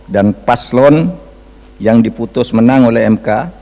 dan paslon yang diputus menang oleh mk